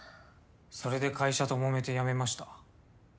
それで会社ともめて辞めました。